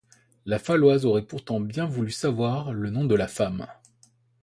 La Faloise aurait pourtant bien voulu savoir le nom de la femme.